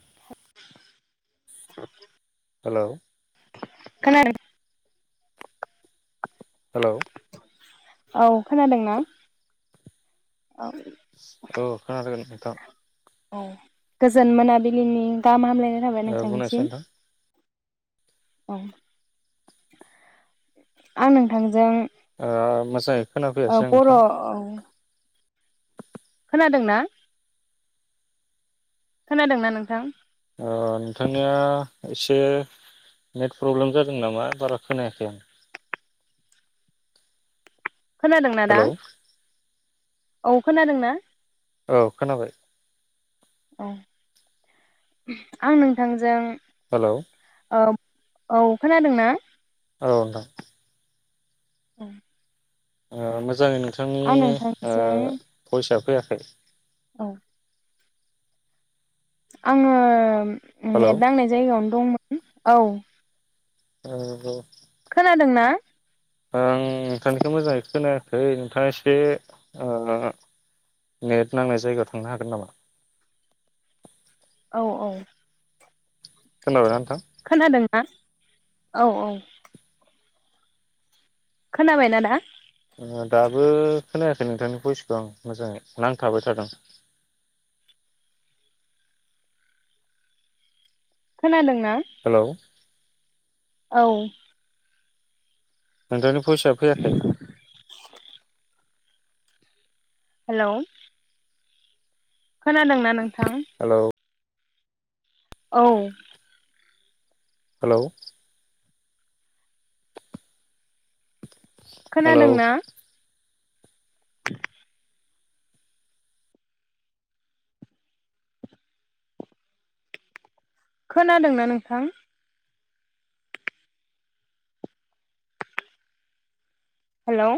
[unintelligible] हेल' खोनादों हेल' औ खोनादोंना? औ खोनादों नोथां। औ गोजोन मोनाबिलिनि गाहाम हामलाय [unintelligible] ओ बुंनायसाय नोंथां नोंसांनिसिम। आं नोंथांजों ओ मोजाङै ओ खोनाफैयासै आं बर' नोंथां। औ खोनादों ना? खोनादोंना नोंथां? अ नोंथांनिया एसे नेट प्रब्लेम जादों नामा बारा खोनायाखै आं। खोनादोंना दा हेलौ औ खोनादोंना? औ खोनाबाय। औ आं नोंथांजों हेल' औ औ खोनादों ना? औ नोंथां। औ। ओ मोजांयै नोंथां आं ओ नोंथांजों भइसा फैयाखै। [inaudible] औ। आङो हेलौ नेट नांनाय जायगायावनो दंमोन औ। [unintelligible] खोनादों ना? आं नोंथांनिखौ मोजाङै खोनायाखै नोंथाङा एसे ओ नेट नांनाय जायगायाव थांनो हागोन नामा? औ औ। खोनाबाइना नों खोनादों। औ औ। खोनाबायना दा? ओ दाबो खोनायाखै नोंथांनि भयइसखौ आं मोजाङै नांथाबाय थादों। खोनादों हेलौ। औ। नोंथांनि भयसा फैयाखै। हेलौ। खोनादोंना नों थां। हेलौ औ। हेलौ। हेलौ खोनादोंना? खोनादोंना नोंथां? हेलौ।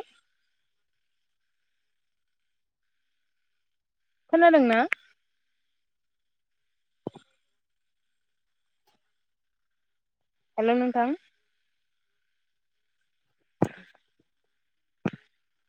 खोनादोंना? हेलौ नोंथां। [inaudible]